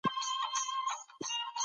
مطالعه د فکر د پراخوالي وسیله ده.